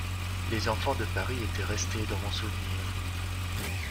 Les enfants de Paris étaient restés dans mon souvenir.